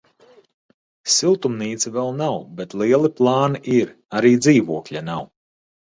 Siltumnīca vēl nav bet lieli plāni ir, arī dzīvokļa nav.